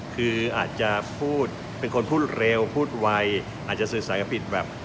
คืออาจจะเป็นคนที่พูดเร็วพูดไวอาจจะสื่อสารกับผิด